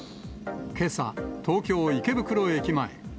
けさ、東京・池袋駅前。